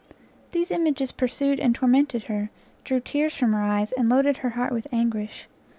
These images pursued and tormented her, drew tears from her eyes, and loaded her heart with anguish.